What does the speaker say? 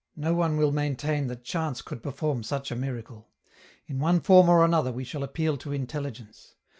No one will maintain that chance could perform such a miracle: in one form or another we shall appeal to intelligence.